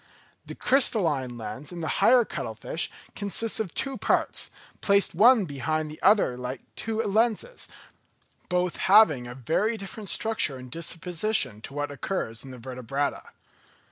The crystalline lens in the higher cuttle fish consists of two parts, placed one behind the other like two lenses, both having a very different structure and disposition to what occurs in the vertebrata.